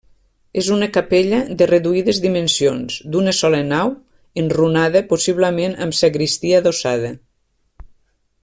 És una capella de reduïdes dimensions, d'una sola nau, enrunada, possiblement amb sagristia adossada.